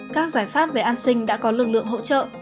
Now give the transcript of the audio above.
các giải pháp về an sinh đã có lực lượng hỗ trợ